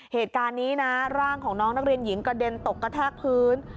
เหตุการณ์นี้นะร่างของน้องนักเรียนหญิงกระเด็นตกกระแทกพื้น